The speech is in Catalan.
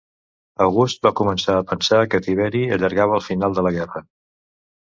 August va començar a pensar que Tiberi allargava el final de la guerra.